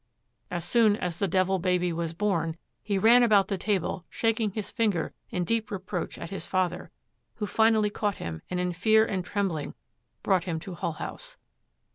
As soon as the Devil Baby was born, he ran about the table shaking his finger in deep reproach at his father, who finally caught him and in fear and trembling brought him to Hull House.